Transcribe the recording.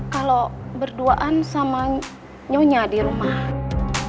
kalo berduaan sama nyonya di rumah ini ya